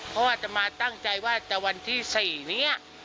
เพราะว่าจะมาตั้งใจว่าจะวันที่๔นี้